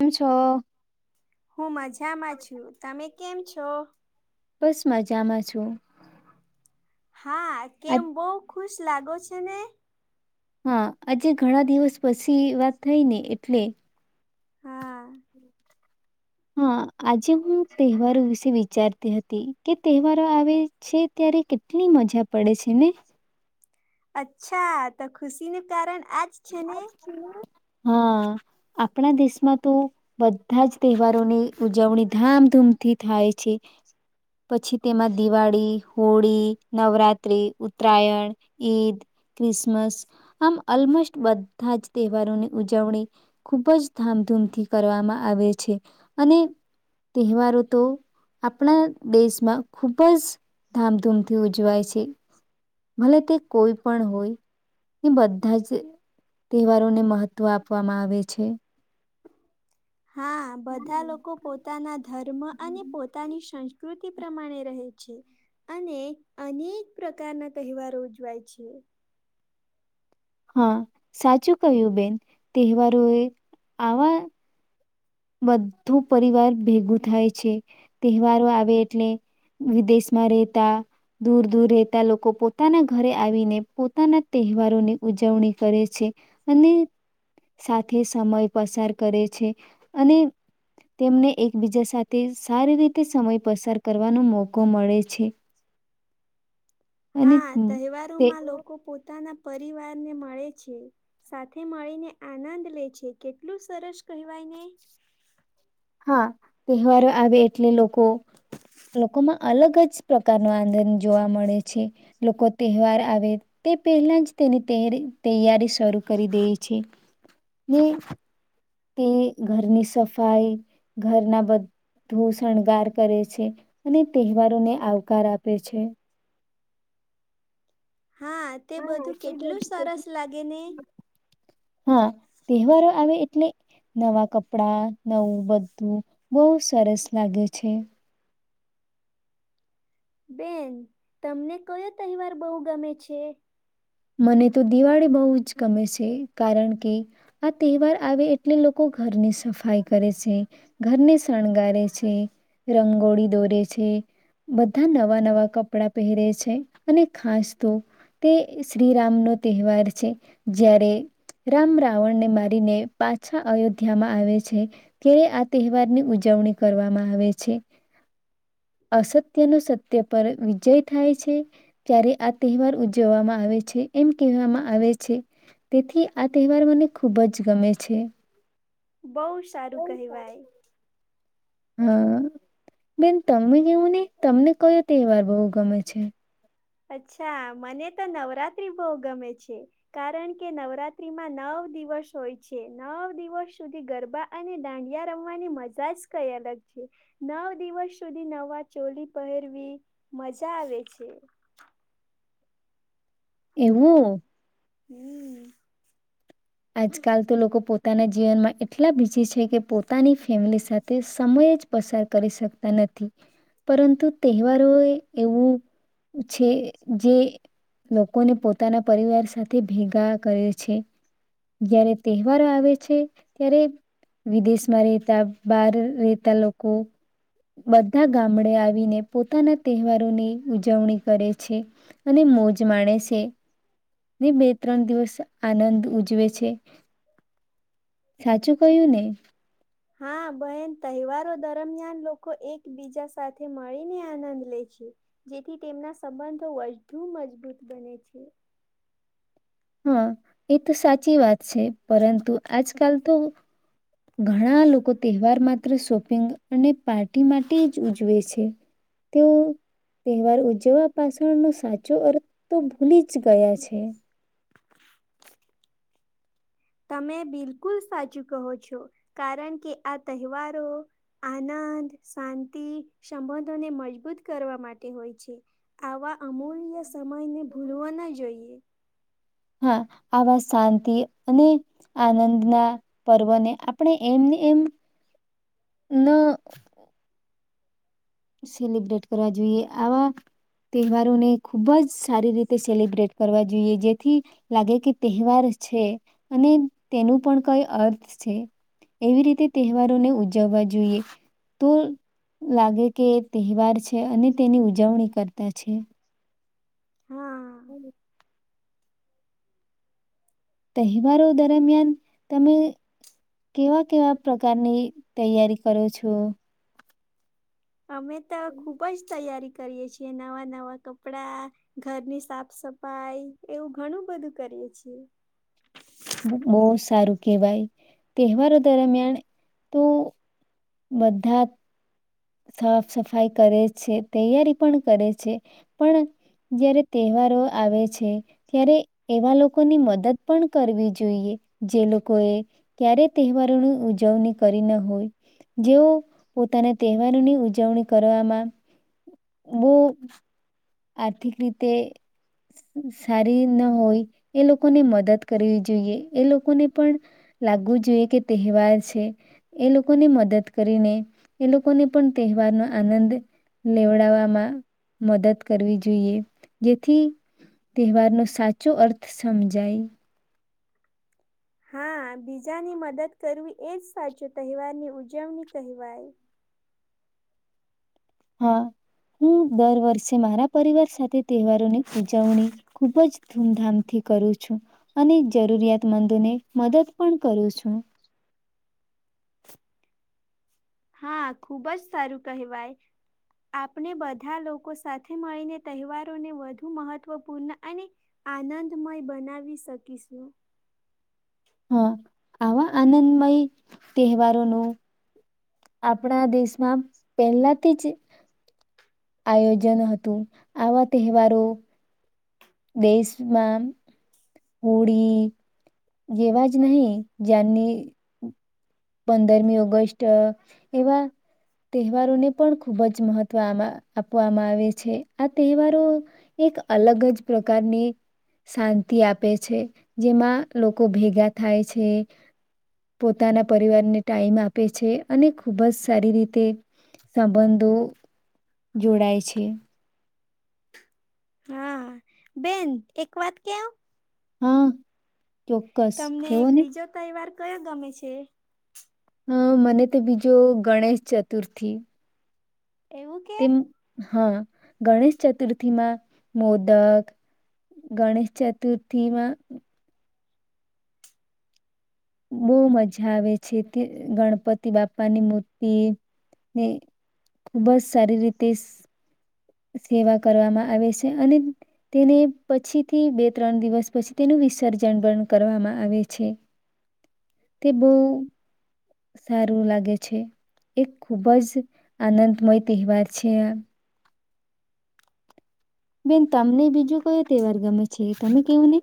એમ છો? હું મજામાં છું તમે. કેમ છો? બસ માંજા માં છું. હા આ કેમ બોક ખુશ લાગો છે ને. હા આજે ઘણા દિવસ પછી વાત થઈ ને એટલે હા, હા આજે હું તહેવારો વિશે વિચારતી હતી કે તહેવારો આવે છે ત્યારે કેટલી મજા પડે છે ને. અચ્છા તો ખુશીને કારણ આજ છે ને? આજ [inaudible] હા આપણા દેશમાં તો બધા જ તહેવારોની ઉજવણી ધામધૂમથી થાય છે પછી તેમાં દિવાળી, હોળી, નવરાત્રી, ઉત્તરાયણ, ઈદ, ક્રિસમસ આમ અલમોસ્ટ બધા જ તહેવારોની ઉજવણી ખૂબ જ ધામધૂમથી કરવામાં આવે છે. અને તહેવારો તો આપણા દેશમાં ખૂબ જ ધામધૂમથી ઉજવાય છે. ભલે તે કોઈ પણ હોય બધા જ તહેવારોને મહત્ત્વ આપવામાં આવે છે. હા બધા લોકો પોતાના ધર્મ અને પોતાની સંસ્ કૃતિ પ્રમાણે રહે છે અને અનેક પ્રકારના તેહવારો ઉજવાય છે. હા સાચું કહ્યું બેન તેહવારો એ આવા બધું પરિવાર ભેગું થાય છે. તેહવારો આવે એટલે વિદેશમાં રહેતા દૂર દૂર રહેતા લોકો પોતાના ઘરે આવીને પોતાના તેહવારોની ઉજવણી કરે છે. અને સાથે સમય પસાર કરે છે. અને તેમને એકબીજા સાથે સારી રીતે સમય પસાર કરવાનો મોકો મળે છે. અને હા તે તેહવારોમાં લોકો પોતાના પરિવાર ને મળે છે સાથે મળીને આનંદ લે છે કેટલું સરસ કહેવાયને. હા તેહવારો આવે એટલે લોકો કો લોકોમાં અલગ જ પ્રકારનો આનંદ જોવા મળે છે. લોકો તેહવાર આવે તે પહેલા જ તેની તૈયારી શરૂ કરી દે છે. ન તે ઘરની સફાઈ ઘરના બધું શણગાર કરે છે. અને તેહવારોને આવકાર આપે છે. હા તે બધું કેટલું સરસ લાગેને. હા તેહવારો આવે એટલે નવા કપડા નવું બધું બહુ સરસ લાગે છે. બેન તમને કયો તહેવાર બહુ ગમે છે. મને તો દિવાળી બહુ જ ગમે છે. કારણ કે આ તહેવાર આવે એટલે લોકો ઘરની સફાઈ કરે છે. ઘરને શણગારે છે. રંગોળી દોરે છે. બધા નવા નવા કપડાં પહેરે છે અને ખાસ તો તે શ્રીરામ ન તહેવાર છે. જ્યારે રામ રાવણને મારીને પાછા અયોધ્યામાં આવે છે. ત્યારે આ તહેવારની ઉજવણી કરવામાં આવે છે. અસત્યનો સત્ય પર વિજય થાય છે. ત્યારે આ તહેવાર ઉજવવામાં આવે છે એમ કહેવામાં આવે છે. તેથી આ તહેવાર મને ખૂબ જ ગમે છે. બહુ સારું કહેવાય. હા બેન તમે કેવું ને તમને કયો તે વાર બહુ ગમે છે. અચ્છા મને તો નવરાત્રી બહુ ગમે છે. કારણ કે નવરાત્રીમાં નવ દિવસ હોય છે. નવ દિવસ સુધી ગરબા અને દાંડિયા રમવાની મજા જ કઈ અલગ છે નવ દિવસ સુધી નવા ચોલી પહેરવી મજા આવે છે. [inaudible] એવું. [inaudible] આજકાલ તો લોકો પોતાના જીવનમાં એટલા બીજી છે કે પોતાની ફેમિલી સાથે સમય જ પસાર કરી શકતા નથી. પરંતુ તહેવારો એવું છે જે લોકોને પોતાના પરિવાર સાથે ભેગા કરે છે. જયારે તહેવારો આવે છે ત્યારે વિદેશમાં રહેતા બાર રહેતા લોકો બધા ગામડે આવીને પોતાના તહેવારોની ઉજવણી કરે છે. અને મોજ માણે છે બે ત્રણ દિવસ આનંદ ઉજવે છે. છે સાચું કહ્યું ને? હા બહેન તહેવારો દરમિયાન લોકો એકબીજા સાથે મળીને આનંદ લે છે. જેથી તેમના સંબંધો વધુ મજબૂત બને છે. હા એ તો સાચી વાત છે. પરંતુ આજકાલ તો ઘણા લોકો તહેવાર માત્ર શોપિંગ અને પાર્ટી માટે જ ઉજવે છે. તેઓ તહેવાર ઉજવવા પાછળનો સાચો અર્થ તો ભૂલી જ ગયા છે. તમે બિલકુલ સાચું કહો છો. કારણ કે આ તહેવારો આનંદ શાંતિ સંબંધોને મજબૂત કરવા માટે હોય છે આવા અમૂલ્ય સમયને ભૂલવા ના જોઈએ. હા આવા શાંતિ અને આનંદના પર્વને આપણે એમને એમ ન અ સેલિબ્રેટ કરવા જોઈએ આવા તહેવારોને ખુબ જ સારી રીતે સેલિબ્રેટ કરવા જોઈએ જેથી લાગે કે તહેવાર છે. અને તેનું પણ કઈ અર્થ છે. એવી રીતે તહેવારોને ઉજવવા જોઈએ તો લાગે કે તહેવાર છે અને તેની ઉજવણી કરતા છે. હા. હમ્મ. તહેવારો દરમિયાન તમે કેવા કેવા પ્રકારની તૈયારી કરો છો? અમે તો ખુબ જ તૈયારી કરીએ છીએ નવા નવા કપડા ઘરની સાફ સફાઈ એવું ઘણું બધું કરીએ છીએ. કે ભાઈ તહેવારો દરમિયાન તો બધા. સાફ સફાઈ કરે છે. તૈયારી પણ કરે છે. પણ જયારે તહેવારો આવે છે. ત્યારે એવા લોકોની મદદ પણ કરવી જોઈએ જે લોકોએ ક્યારેય તહેવારોની ઉજવણી કરી ના હોય જેઓ પોતાને તહેવારોની ઉજવણી કરવામાં બહ આર્થિક રીતે સારી ન હોય એ લોકોને મદદ કરવી જોઈએ એ લોકોને પણ લાગવું જોઈએ કે તહેવાર છે. એ લોકોને મદદ કરીને એ લોકોને પણ તહેવારનો આનંદ લેવડાવવામાં મદદ કરવી જોઈએ જેથી તહેવારનો સાચો અર્થ સમજાય. હા બીજાની મદદ કરવી એજ સાચું તહેવારની ઉજવણી કહેવાય. હા હું દર વર્ષે મારા પરિવાર સાથે તહેવારોની ઉજવણી ખૂબ જ ધૂમધામથી કરું છું. અને જરૂરિયાતમંદોને મદદ પણ કરું છું. હા ખુબ જ સારું કહેવાય આપણે બધા લોકો સાથે મળીને તહેવારોને વધુ મહત્વપૂર્ણ અને આનંદમય બનાવી શકીશું. હા આવા આનંદમય તહેવારોનું આપણા દેશમાં પહેલાથી જ આયોજન હતું આવા તહેવારો દેશમાં. હોળી. જેવા જ નહી જની પંદરમી ઓગસ્ટ એવા તહેવારોને પણ ખૂબ જ મહત્વ આપવામાં આવે છે. આ તહેવારો એક અલગ જ પ્રકારની શાંતિ આપે છે. જેમાં લોકો ભેગા થાય છે. પોતાના પરિવારને ટાઈમ આપે છે. અને ખૂબ જ સારી રીતે સંબંધો જોડાય છે. હા બેન એક વાત કેવ? હા. ચોક્કસ કેવો ને. કયા ગમે છે. હા મને તો બીજો ગણેશ ચતુર્થી. એવું કે? તેમ હા ગણેશ ચતુર્થીમાં મોદક, ગણેશ ચતુર્થીમાં બહુ મજા આવે છે. તે ગણપતિ બાપાની મૂર્તિ ને ખુબ જ સારી રીતે સેવા કરવામાં આવે છે અને તેને પછીથી બે ત્રણ દિવસ પછી તેનું વિસર્જન પણ કરવામાં આવે છે. તે બહુ સારું લાગે છે એક ખૂબ જ આનંદમય તહેવાર છે આ. બેન તમને બીજો કયો તહેવાર ગમે છે? તમે કેવું ને.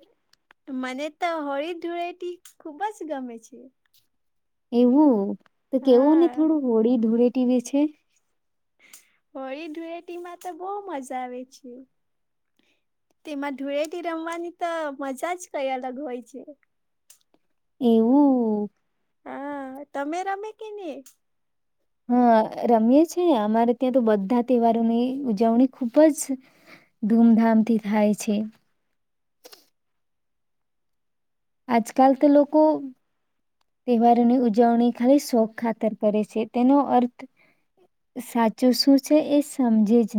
મને તો હોળી ધૂળેટી ખુબ જ ગમે છે. એવું? તો કેવો ને હા થોડું હોળી ધૂળેટી વિછે. હોળી ધૂળેટીમાં તો બહુ મજા આવે છે. તેમાં ધૂળેટી રમવાની તો મજા જ કઈ અલગ હોય છે. એવું હા તમે રમે કે ની? હા, રમીએ છે. અમારે ત્યાં તો બધા તહેવારોની ઉજવણી ખુબ જ ધૂમધામથી થાય છે. આજકાલ તો લોકો તહેવારોની ઉજવણી ખાલી શોખ ખાતર કરે છે. તેનો અર્થ સાચું શું છે એ સમજે જ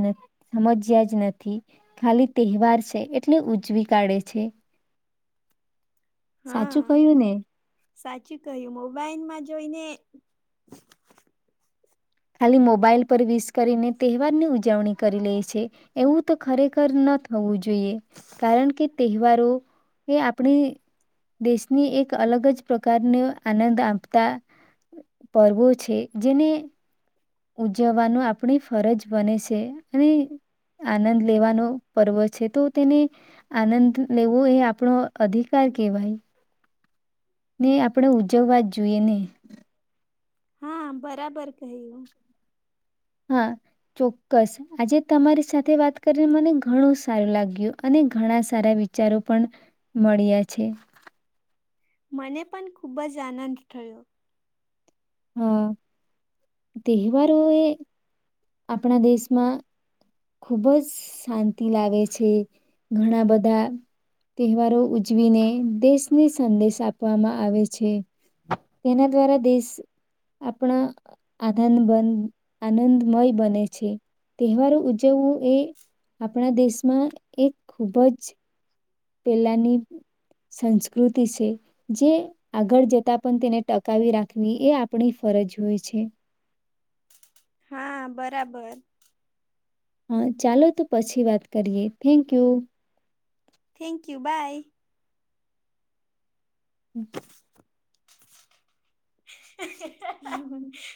સમજ્યા જ નથી ખાલી તહેવાર છે એટલે ઉજવી કાઢે છે. હા સાચું કહ્યું ને. સાચું કહ્યું મોબાઈલમાં જોઈને ખાલી મોબાઈલ પર વિસ કરીને તહેવારની ઉજવણી કરી લે છે, એવું તો ખરેખર ન થવું જોઈએ. કારણ કે, તહેવારો એ આપણી દેશની એક અલગ જ પ્રકારનો આનંદ આપતા પર્વો છે. જેને ઉજવવાનો આપણી ફરજ બને છે. અને આનંદ લેવાનો પર્વ છે, તો તેને આનંદ લેવો એ આપણો અધિકાર કેહેવાય. ને આપણે ઉજવવા જ જોઈએ ને. હા, બરાબર કહ્યું. હા ચોક્કસ આજે તમારી સાથે વાત કરીને મને ઘણું સારું લાગ્યું, અને ઘણા સારા વિચારો પણ મળ્યા છે. મને પણ ખુબ જ આનંદ થયો. હ, તહેવારોએ આપણા દેશમાં ખુબ જ શાંતિ લાવે છે. ઘણા બધા તહેવારો ઉજવીને દેશને સંદેશ આપવામાં આવે છે. તેના દ્વારા દેશ આપણા આધન બન આનંદ મય બને છે. તહેવાર ઉજવવું એ આપણા દેશમાં એક ખૂબ જ પેલાની સંસ્કૃતિ છે, જે આગળ જતા પણ તેને ટકાવી રાખવી એ આપણી ફરજ હોય છે. હા બરાબર. હા, ચાલો તો પછી વાત કરીએ, thank you. Thank you by. [inaudible] [inaudible]